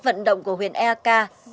vận động của huyện aek